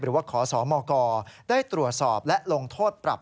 หรือว่าขอสมกได้ตรวจสอบและลงโทษปรับ